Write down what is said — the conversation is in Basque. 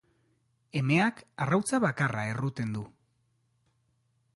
Emeak arrautza bakarra erruten du.